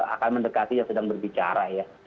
akan mendekati yang sedang berbicara ya